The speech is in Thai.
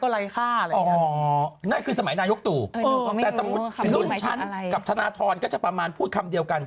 หนุ่มชั้นกับธนทร์ธรและช่องพูดกันเหมือกัน